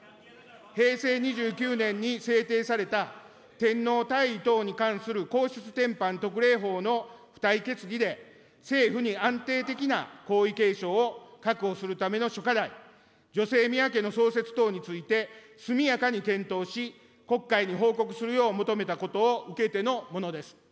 平成２９年に制定された、天皇退位等に関する皇室典範特例法の付帯決議で政府に安定的な皇位継承を確保するための諸課題、女性宮家の創設等について、速やかに検討し、国会に報告するよう求めたことを受けてのものです。